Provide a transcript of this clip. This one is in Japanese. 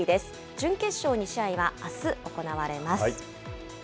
準決勝２試合はあす行われます。